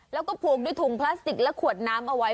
แล้วก็ผูกด้วยถุงพลาสติกและขวดน้ำเอาไว้